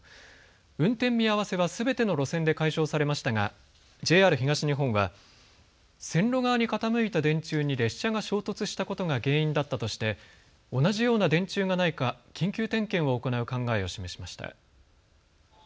運転見合わせはすべての路線で解消されましたがＪＲ東日本は線路側に傾いた電柱に列車が衝突したことが原因だったとして同じような電柱がないか緊急点検を行う考えを示しました。